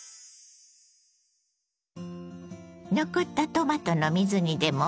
残ったトマトの水煮でもう一品！